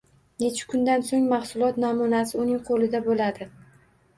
Necha kundan so‘ng mahsulot namunasi uning qo‘lida bo‘ladi?